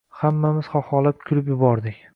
Hammamiz xaxolab kulib yubordik.